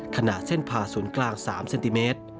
ขนาดเส้นผ่าศูนย์กลาง๓เซนติเมตร